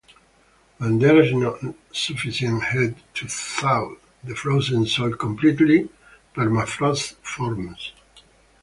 When there is not sufficient heat to thaw the frozen soil completely, permafrost forms.